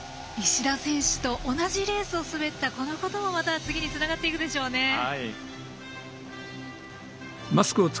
石田選手と同じレースを滑ったこのことがまた次につながっていくでしょうね。